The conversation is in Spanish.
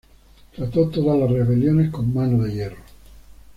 Trató todas las rebeliones con mano de hierro.